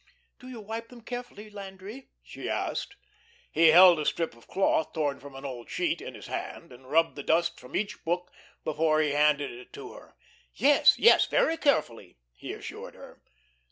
"Do you wipe them carefully, Landry?" she asked. He held a strip of cloth torn from an old sheet in his hand, and rubbed the dust from each book before he handed it to her. "Yes, yes; very carefully," he assured her.